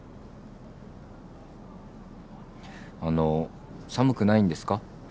あの寒くないんですか？